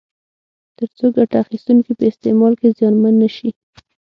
ترڅو ګټه اخیستونکي په استعمال کې زیانمن نه شي.